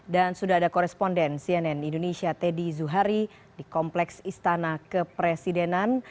dan sudah ada koresponden cnn indonesia teddy zuhari di kompleks istana kepresidenan